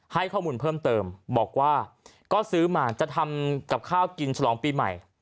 ให้ข้อมูลเพิ่มเติมบอกว่าก็ซื้อมาจะทำกับข้าวกินฉลองปีใหม่